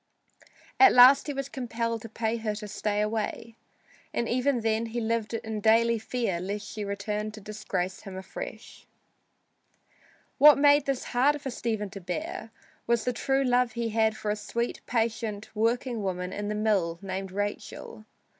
At last he was compelled to pay her to stay away, and even then he lived in daily fear lest she return to disgrace him afresh. What made this harder for Stephen to bear was the true love he had for a sweet, patient, working woman in the mill named Rachel.